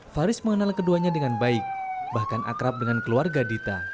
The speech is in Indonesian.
faris mengenal keduanya dengan baik bahkan akrab dengan keluarga dita